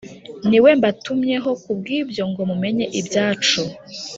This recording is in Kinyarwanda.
Ni we mbatumyeho ku bw’ibyo ngo mumenye ibyacu